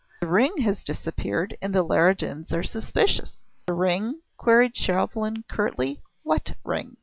The ring has disappeared, and the Leridans are suspicious." "The ring?" queried Chauvelin curtly. "What ring?"